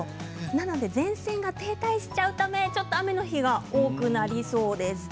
なので前線が停滞してしまうためちょっと雨がひどくなりそうです。